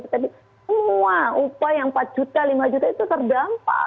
tapi semua upah yang empat juta lima juta itu terdampak